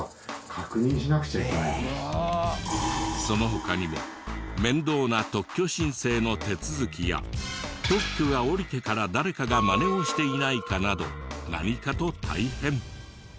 その他にも面倒な特許申請の手続きや特許が下りてから誰かがマネをしていないかなど何かと大変。